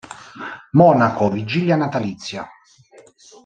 Monaco, vigilia natalizia.